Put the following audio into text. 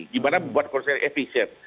gimana membuat konsolidasi efisien